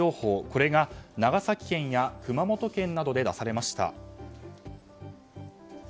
これが長崎県や熊本県などで出されました。